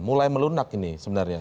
mulai melunak ini sebenarnya